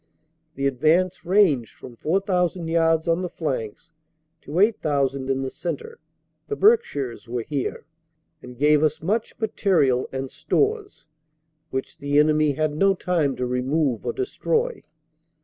The advance ranged from 4,000 yards on the flanks to 8,000 in the centre (the Berkshires were here) and gave us much material and stores, which the enemy had no time to remove or destroy.